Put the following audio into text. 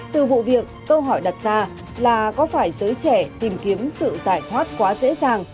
từ vụ việc câu hỏi đặt ra là có phải giới trẻ tìm kiếm sự giải thoát quá dễ dàng